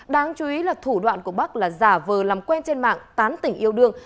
đáng chú ý là thủ đoạn của bắc là giả vờ làm quen trên mạng tán tỉnh yêu đương